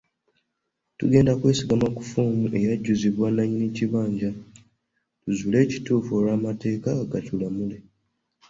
Tugenda kwesigama ku ffoomu eyajjuzibwa nnannyini kibanja tuzuule ekituufu olwo amateeka gatulamule.